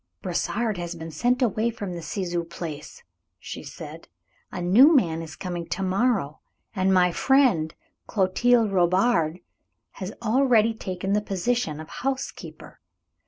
"Brossard has been sent away from the Ciseaux place," she said. "A new man is coming to morrow, and my friend, Clotilde Robard, has already taken the position of housekeeper.